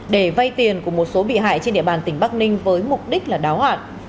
để vay tiền của một số bị hại trên địa bàn tỉnh bắc ninh với mục đích là đáo hạn